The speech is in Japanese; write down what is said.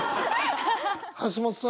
橋本さん